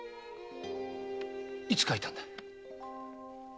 いつ書いたんだ？